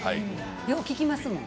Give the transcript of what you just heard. よう聞きますもん。